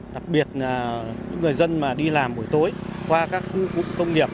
đặc biệt là những người dân mà đi làm buổi tối qua các khu công nghiệp